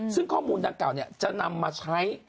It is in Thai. ซึ่งข้อมูลดังกล่าวจะนำมาใช้